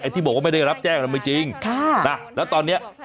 ไอ้ที่บอกว่าไม่ได้รับแจ้งแล้วไม่จริงค่ะน่ะแล้วตอนเนี้ย